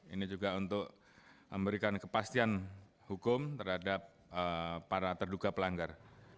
ini juga untuk memberikan kepastian hukum terhadap para terduga pelanggar